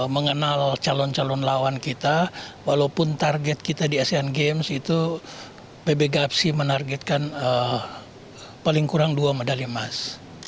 mengenal calon calon lawan kita walaupun target kita di asean games itu pb gapsi menargetkan paling kurang dua medali emas